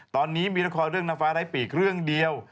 ตอนนี้มีละครเรื่องนางฟ้าไร้ปีกเรื่องเดียว